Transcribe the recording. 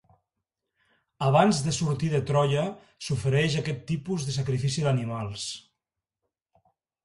Abans de sortir de Troia, s'ofereix aquest tipus de sacrifici d'animals.